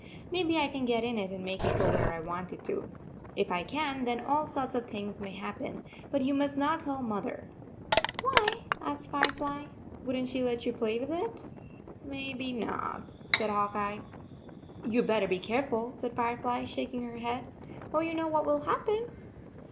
Maybe I can get in it and make it go where I want it to. If I can, then all sorts of things may happen, but you must not tell Mother." 11 Why ?" asked Firefly. " Would n t she let you play with it ?"" Maybe not," said Hawk Eye. 44 You d better be careful," said Firefly, shaking her head, "or you know what will happen!"